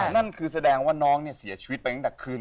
นั่นคือแสดงว่าน้องเนี่ยเสียชีวิตไปตั้งแต่คืน